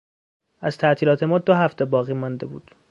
از تعطیلات ما دو هفته باقی مانده بود.